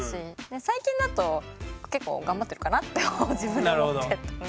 最近だと結構頑張ってるかなって自分で思ってたので。